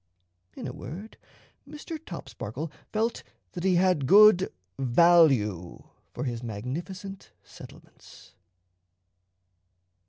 In a word, Mr. Topsparkle felt that he had good value for his magnificent settlements.